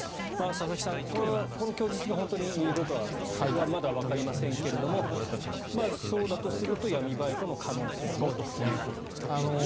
佐々木さん、この供述が本当にどうかはまだわかりませんがそうだとすると闇バイトの可能性もということですがどうでしょう。